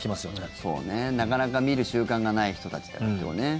なかなか見る習慣がない人たちってことね。